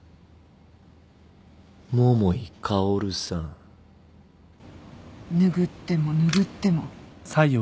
桃井薫さん拭っても拭っても。